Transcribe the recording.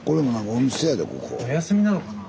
お休みなのかな？